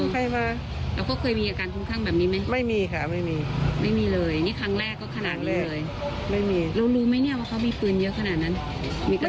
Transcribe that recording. เขาอะไรยังไงไหมคะ